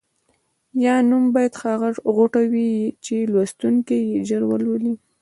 یا نوم باید هغه غوټه وي چې لوستونکی یې ژر ولولي.